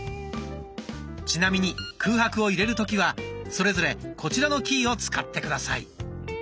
ちなみに空白を入れる時はそれぞれこちらのキーを使って下さい。